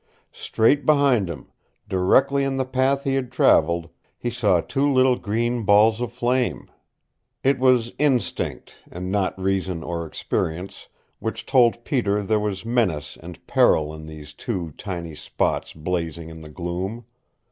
Straight behind him, directly in the path he had traveled, he saw two little green balls of flame! It was instinct, and not reason or experience, which told Peter there was menace and peril in these two tiny spots blazing in the gloom.